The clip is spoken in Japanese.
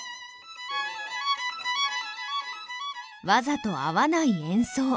わざと合わない演奏。